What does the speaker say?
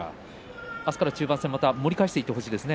明日から中盤戦、盛り返していってほしいですね。